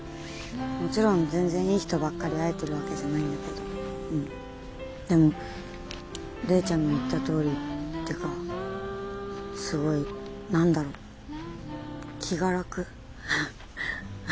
もちろん全然いい人ばっかり会えてるわけじゃないんだけどうんでも玲ちゃんの言ったとおりってかすごい何だろ気が楽。